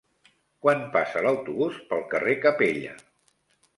Quan passa l'autobús pel carrer Capella?